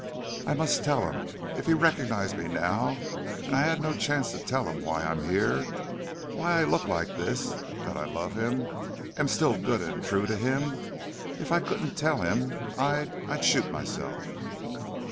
I must tell him. If he recognized me now and I had no chance to tell him why I'm here why I look like this that I love him am still good and true to him if I couldn't tell him I'd I'd shoot myself!"